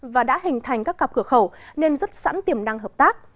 và đã hình thành các cặp cửa khẩu nên rất sẵn tiềm năng hợp tác